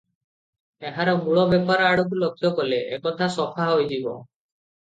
ଏହାର ମୂଳ ବେପାର ଆଡ଼କୁ ଲକ୍ଷ୍ୟ କଲେ ଏକଥା ସଫା ହୋଇଯିବ ।